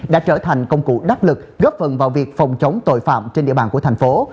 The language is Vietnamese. đã trở thành công cụ đắc lực góp phần vào việc phòng chống tội phạm trên địa bàn của thành phố